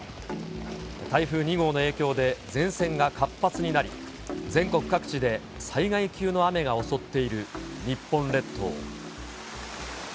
台風２号の影響で、前線が活発になり、全国各地で災害級の雨が襲っている日本列島。